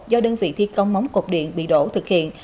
do đơn vị thi công móng cột điện bị đổ thực hiện